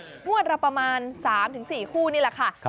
งวดละประมาณ๓๔คู่นี่แหละค่ะ